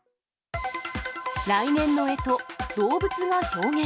来年のえと、動物が表現。